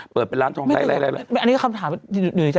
เปิดเป็นร้านท้องไทยอันนี้คำถามหืนอยู่ในใจ